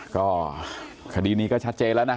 ก็คดีนี้ก็ชัดเจนแล้วนะ